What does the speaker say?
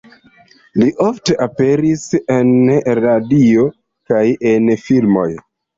Li ofte aperis en radio kaj en filmoj.